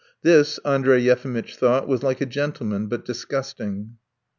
This, Andrey Yefimitch thought, was like a gentleman, but disgusting.